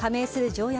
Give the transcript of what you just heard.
条約